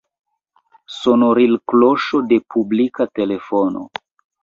Sonoril-kloŝo de publika telefono.